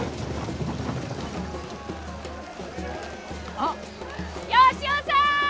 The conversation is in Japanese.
あっ吉雄さん！